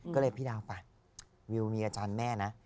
ก็เลยพี่ดาวไปวิวมีอาจารย์แม่นะ